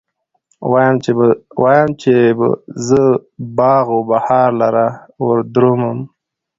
وايم، چې به زه باغ و بهار لره وردرومم